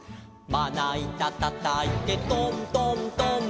「まないたたたいてトントントン」